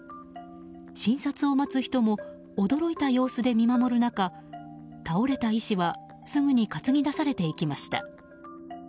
診察を待つ人も驚いた様子で見守る中倒れた医師はすぐに担ぎ出されていきました。